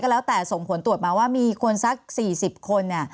ก็แล้วแต่ส่งผลตรวจมาว่ามีคนสัก๔๐คน